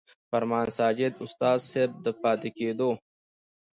فرمان ساجد استاذ صېب د پاتې کېدو